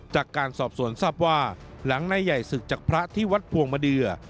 จากการสอบสวนทราบว่าหลังนายใหญ่ศึกจากพระที่วัดพวงมาเดือ